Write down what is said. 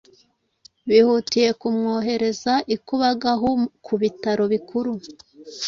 bihutiye kumwohereza ikubagahu ku bitaro bikuru